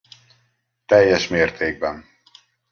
Teljes mértékben.